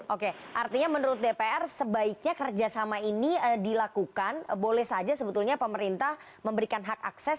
oke artinya menurut dpr sebaiknya kerjasama ini dilakukan boleh saja sebetulnya pemerintah memberikan hak akses